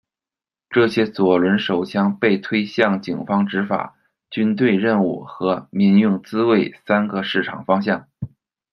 这些左轮手枪被推向警方执法、军队任务和民用自卫三个市场方向。